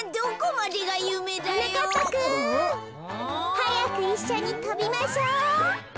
はやくいっしょにとびましょう。